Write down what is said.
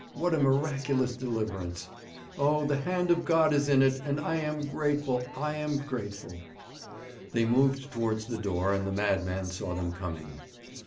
'What a miraculous deliverance! Oh, the hand of God is in it, and I am grateful I am grateful!' They moved towards the door, and the madman saw them coming.